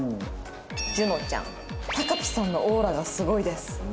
樹乃ちゃん「たかぴさんのオーラがすごいです」。